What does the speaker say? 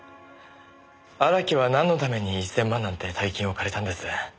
荒木はなんのために１０００万なんて大金を借りたんです？